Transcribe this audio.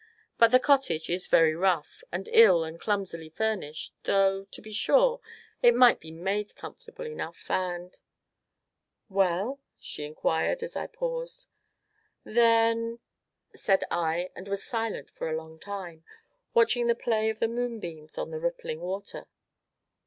But the cottage is very rough, and ill and clumsily furnished though, to be sure, it might be made comfortable enough, and " "Well?" she inquired, as I paused. "Then " said I, and was silent for a long time, watching the play of the moonbeams on the rippling water.